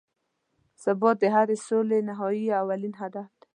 ثبات د هرې سولې نهایي او اولین هدف دی.